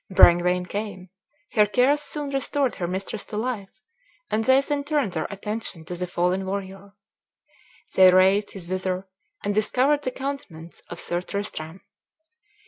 Brengwain came; her cares soon restored her mistress to life, and they then turned their attention to the fallen warrior. They raised his visor, and discovered the countenance of Sir Tristram.